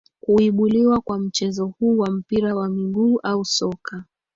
Kuibuliwa kwa mchezo huu wa mpira wa miguu au Soka